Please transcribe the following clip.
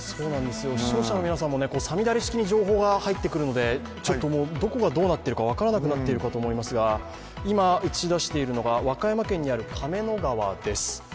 視聴者の皆さんもさみだれ式に情報が入ってくるのでどこがどうなっているか分からなくなっているかと思いますが今、映し出しているのが和歌山県の亀の川です。